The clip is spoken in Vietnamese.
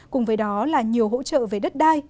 cùng với đó là nhiều hỗ trợ về đất đai